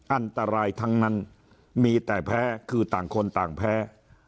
อันตรายทั้งนั้นมีแต่แพ้คือต่างคนต่างแพ้